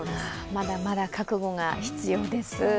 まだまだ覚悟が必要です。